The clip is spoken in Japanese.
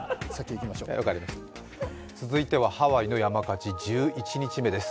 続いてはハワイの山火事１１日目です。